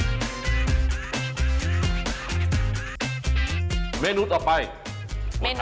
เอาล่ะเดินทางมาถึงในช่วงไฮไลท์ของตลอดกินในวันนี้แล้วนะครับ